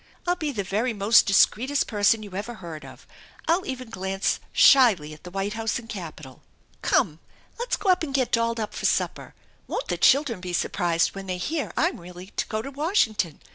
I'll be the very most discreetest person you ever heard of. Fll even glance shyly at the White House and Capitol ! Come, lef s go up and get dolled up for supper ! Won't the children be surprised when they hear I'm really to go to Washington